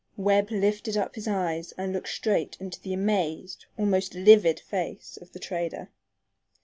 Webb lifted up his eyes and looked straight into the amazed, almost livid, face of the trader.